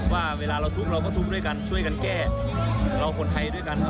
ว่าเวลาเราทุกข์เราก็ทุกข์ด้วยกันช่วยกันแก้เราคนไทยด้วยกัน